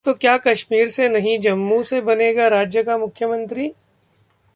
...तो क्या कश्मीर से नहीं जम्मू से बनेगा राज्य का मुख्यमंत्री?